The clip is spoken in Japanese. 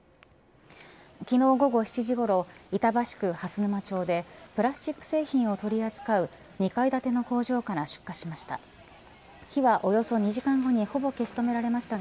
昨日午後７時ごろ板橋区蓮沼町でプラスチック製品を取り扱う２階建ての工場から出火しました。